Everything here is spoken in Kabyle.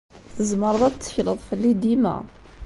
Tzemreḍ ad tettekleḍ fell-i dima.